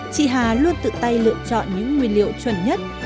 chị hà luôn tự tay lựa chọn những nguyên liệu chuẩn nhất